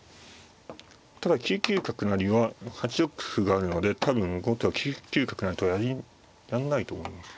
ただ９九角成は８六歩があるので多分後手は９九角成とはやんないと思います。